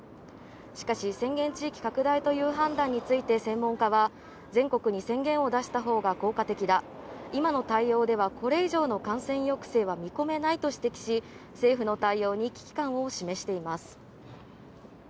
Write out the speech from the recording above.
しかし宣言地域拡大という判断について専門家は全国に宣言を出したほうが効果的だ、今の対応ではこれ以上の感染抑制は見込めないと指摘し、政府の対応に危機感を示しています。